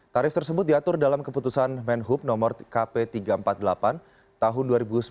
tarif tersebut diatur dalam keputusan menhub nomor kp tiga ratus empat puluh delapan tahun dua ribu sembilan belas